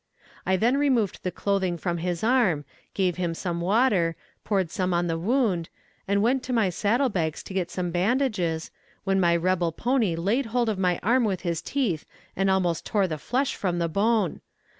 I then removed the clothing from his arm, gave him some water, poured some on the wound, and went to my saddle bags to get some bandages, when my rebel pony laid hold of my arm with his teeth and almost tore the flesh from the bone.